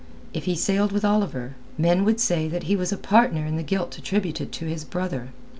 If he sailed with Oliver, men would say that he was a partner in the guilt attributed to his brother.